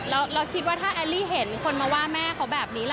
เราคิดว่าถ้าแอลลี่เห็นคนมาว่าแม่เขาแบบนี้ล่ะ